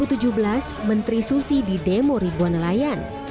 pada dua ribu tujuh belas menteri susi didemo ribuan nelayan